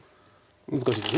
難しいです。